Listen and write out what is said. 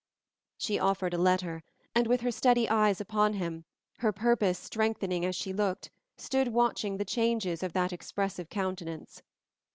She offered a letter, and with her steady eyes upon him, her purpose strengthening as she looked, stood watching the changes of that expressive countenance.